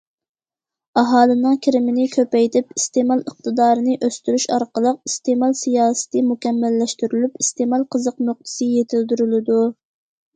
ئاھالىنىڭ كىرىمىنى كۆپەيتىپ، ئىستېمال ئىقتىدارىنى ئۆستۈرۈش ئارقىلىق، ئىستېمال سىياسىتى مۇكەممەللەشتۈرۈلۈپ، ئىستېمال قىزىق نۇقتىسى يېتىلدۈرۈلىدۇ.